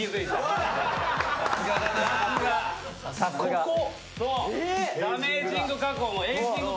ここ。